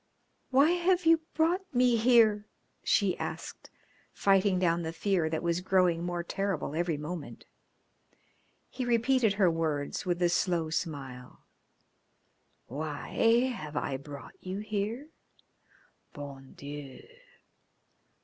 "Why have you brought me here?" she asked, fighting down the fear that was growing more terrible every moment. He repeated her words with a slow smile. "Why have I brought you here? Bon Dieu!